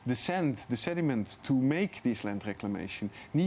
uang sedimen untuk membuat reklamasi tanah ini